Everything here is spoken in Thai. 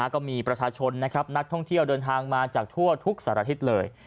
ก็มีประชาชนนะครับนักท่องเที่ยวเดินทางมาจากทั่วทุกสารทิศเลย